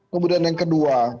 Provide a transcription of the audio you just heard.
kemudian yang kedua